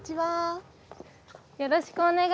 よろしくお願いします。